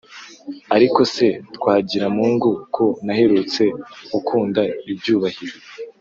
Ariko se Twagiramungu, ko naherutse ukunda ibyubahiro,